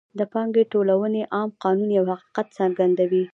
د پانګې ټولونې عام قانون یو حقیقت څرګندوي